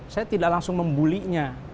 saya tidak langsung membulinya